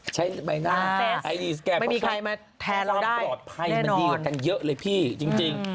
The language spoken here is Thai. ใช้ใบหน้าไอดีสแกมไม่มีใครมาแทนความปลอดภัยมันดีกว่ากันเยอะเลยพี่จริง